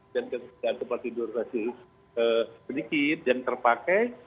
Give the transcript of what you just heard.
dan tempat tidur masih sedikit dan terpakai